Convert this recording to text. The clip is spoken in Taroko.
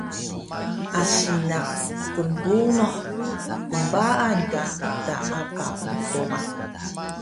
Asi naq knbunuh gnbaang ka taapa otobay